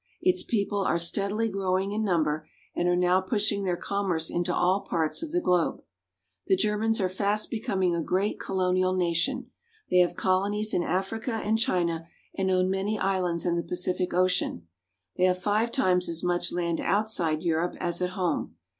Its people are steadily growing in number, and are now pushing their commerce into all parts of the globe. The Germans are fast becoming a great colonial nation. They have colonies in Africa and China, and own many islands in the Pacific Ocean. They have five times as much land outside Europe as at home.